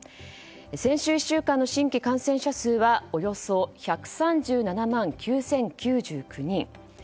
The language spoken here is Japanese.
先週１週間の新規感染者数はおよそ１３７万９０９９人。